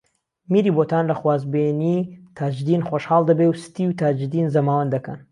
میری بۆتان لە خوازبێنیی تاجدین خۆشحاڵ دەبێ و ستی و تاجدین زەماوەند دەکەن